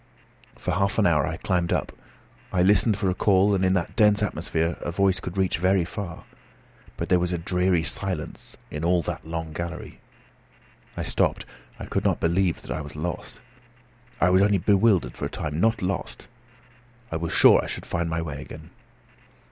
For half an hour I climbed up. I listened for a call, and in that dense atmosphere a voice could reach very far. But there was a dreary silence in all that long gallery. I stopped. I could not believe that I was lost. I was only bewildered for a time, not lost. I was sure I should find my way again.